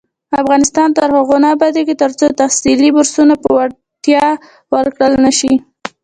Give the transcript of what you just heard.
افغانستان تر هغو نه ابادیږي، ترڅو تحصیلي بورسونه په وړتیا ورکړل نشي.